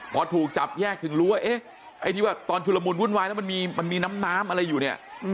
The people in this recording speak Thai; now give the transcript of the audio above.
พอถูกจับแยกถึงรู้ว่าเอ๊ะไอ้ที่ว่าตอนชุลมุนวุ่นวายแล้วมันมีน้ำอะไรอยู่เนี่ย